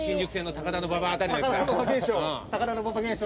高田馬場現象